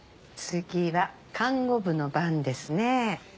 次は看護部の番ですね。